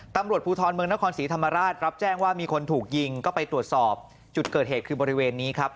ตำรวจภูทรเมืองนครศรีธรรมราชรับแจ้งว่ามีคนถูกยิงก็ไปตรวจสอบจุดเกิดเหตุคือบริเวณนี้ครับ